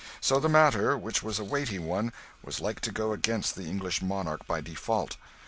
So the matter, which was a weighty one, was like to go against the English monarch by default.